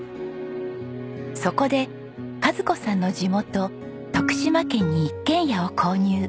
そこで賀津子さんの地元徳島県に一軒家を購入。